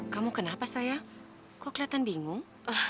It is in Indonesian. kamu kenapa saya kok kelihatan bingung